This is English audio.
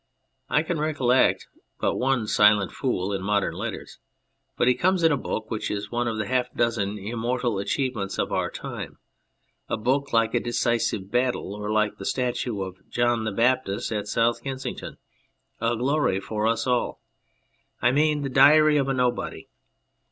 I can recollect but one Silent Fool in modern letters, but he comes in a book which is one of the half dozen immortal achievements of our time, a book like a decisive battle, or like the statue of John the Baptist at South Kensington, a glory for us all. I mean The Diary of a Nobody.